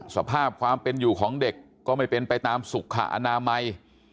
สภาพความเป็นอยู่ของเด็กก็ไม่เป็นไปตามสุขอนามัย